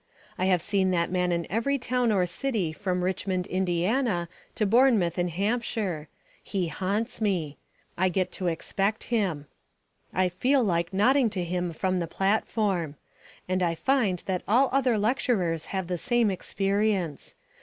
I have seen that man in every town or city from Richmond, Indiana, to Bournemouth in Hampshire. He haunts me. I get to expect him. I feel like nodding to him from the platform. And I find that all other lecturers have the same experience.